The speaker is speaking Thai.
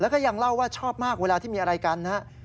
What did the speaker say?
แล้วก็ยังเล่าว่าชอบมากเวลาที่มีอะไรกันนะครับ